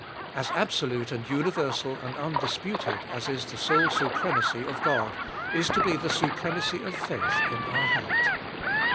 As absolute and universal and undisputed as is the sole supremacy of God, is to be the supremacy of faith in our heart.